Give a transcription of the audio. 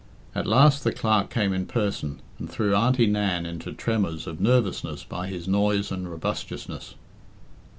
At last the Clerk came in person, and threw Auntie Nan into tremors of nervousness by his noise and robustious ness.